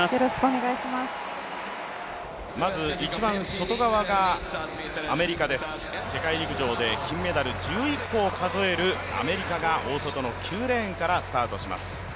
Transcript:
まず一番外側がアメリカです、世界陸上で金メダル１１個を数えるアメリカが大外の９レーンからスタートします